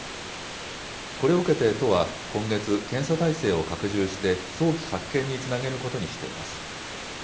これを受けて都は、今月、検査態勢を拡充して、早期発見につなげることにしています。